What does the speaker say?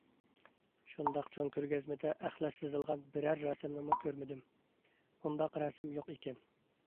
- شۇنداق چوڭ كۆرگەزمىدە ئەخلەت سىزىلغان بىرەر رەسىمنىمۇ كۆرمىدىم، ئۇنداق رەسىم يوق ئىكەن.